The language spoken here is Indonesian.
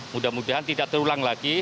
mudah mudahan tidak terulang lagi